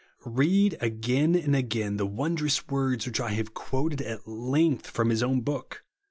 Bead again and again the wondrous v/ords which I have quoted at length from His o^vn book.